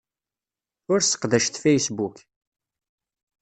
Ur sseqdacet Facebook.